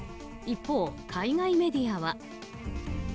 一方、海外メディアは。